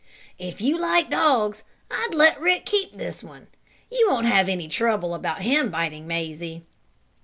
If you like dogs I'd let Rick keep this one. You won't have any trouble about him biting Mazie."